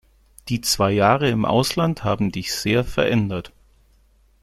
Die zwei Jahre im Ausland haben dich sehr verändert.